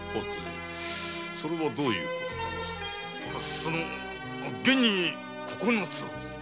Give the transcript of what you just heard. その現に「九つ」を。